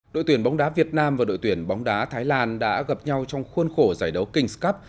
đội tuyển bóng đá việt nam và đội tuyển bóng đá thái lan đã gặp nhau trong khuôn khổ giải đấu kings cup